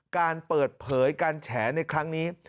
การเปิดเผยการแฉในครั้งนี้